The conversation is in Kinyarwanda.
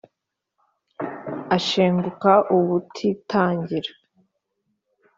ashenguka ubutitangira.